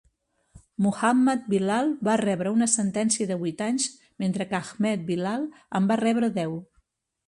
Muhammad Bilal va rebre una sentència de vuit anys, mentre que Ahmed Bilal en va rebre deu.